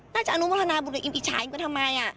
น่าจะอนุมทนาบุญกับอิ่มอิ่มอิจฉายกว่าทำไม